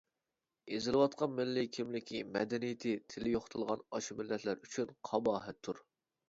ئېزىلىۋاتقان، مىللىي كىملىكى، مەدەنىيىتى، تىلى يوقىتىلغان ئاشۇ مىللەتلەر ئۈچۈن قاباھەتتۇر.